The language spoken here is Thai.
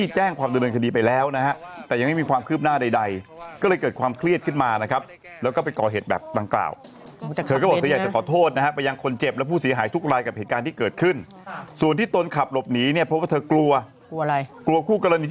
ใช่แคลร์ไลน์ไปเตาปูนแคลร์ไลน์ไป